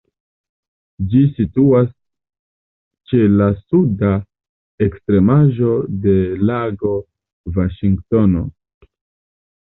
Ĝi situas ĉe la suda ekstremaĵo de Lago Vaŝingtono.